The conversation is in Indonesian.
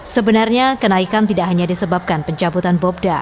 sebenarnya kenaikan tidak hanya disebabkan pencabutan bobda